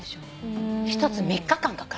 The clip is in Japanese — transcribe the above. １つ３日間かかる。